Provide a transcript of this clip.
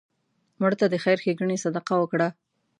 مړه ته د خیر ښیګڼې صدقه وکړه